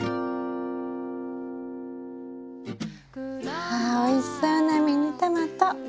ああおいしそうなミニトマト。